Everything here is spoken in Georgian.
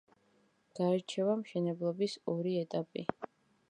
გაირჩევა მშენებლობის ორი ეტაპი.